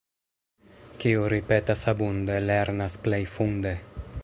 Kiu ripetas abunde, lernas plej funde.